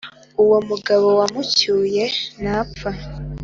Uwo mugabo wamucyuye napfa